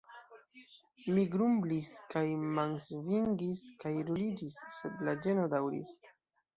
Mi grumblis kaj mansvingis kaj ruliĝis sed la ĝeno daŭris.